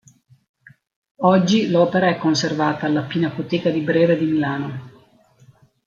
Oggi l'opera è conservata alla Pinacoteca di Brera di Milano.